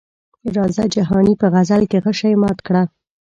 راځه جهاني په غزل کې غشي مات کړه.